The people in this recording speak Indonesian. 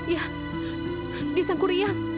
ya dia sangku ria